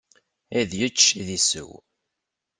Ad yečč, ad isew.